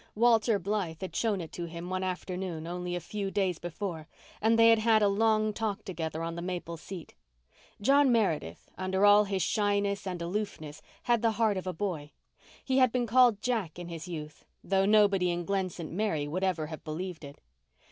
Walter Blythe had shown it to him one afternoon only a few days before, and they had had a long talk together on the maple seat. John Meredith, under all his shyness and aloofness, had the heart of a boy. He had been called Jack in his youth, though nobody in Glen St. Mary would ever have believed it.